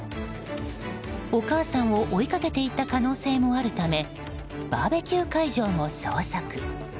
お母さんを追いかけていった可能性もあるためバーベキュー会場も捜索。